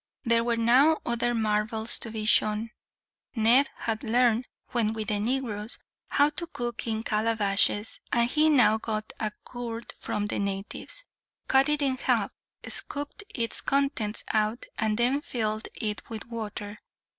There were now other marvels to be shown. Ned had learned, when with the negroes, how to cook in calabashes; and he now got a gourd from the natives, cut it in half, scooped its contents out, and then filled it with water.